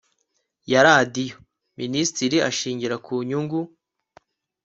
ya radiyo minisitiri ashingira ku nyungu